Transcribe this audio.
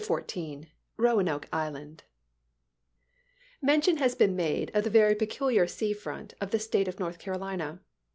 CHAPTER XIV ROANOKE ISLAND MENTION has been made of the very peculiar chap. xiv. sea front of the State of North Carolina.